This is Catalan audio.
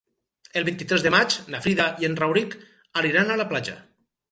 El vint-i-tres de maig na Frida i en Rauric aniran a la platja.